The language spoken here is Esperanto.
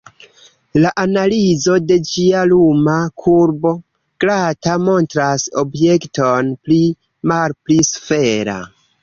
La analizo de ĝia luma kurbo, glata, montras objekton pli malpli sfera.